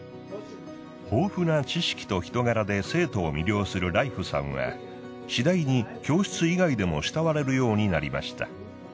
豊富な知識と人柄で生徒を魅了するライフさんはしだいに教室以外でもしたわれるようになりました。